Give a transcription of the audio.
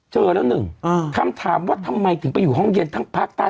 เจอแล้วหนึ่งคำถามว่าทำไมถึงไปอยู่ห้องเย็นทั้งภาคใต้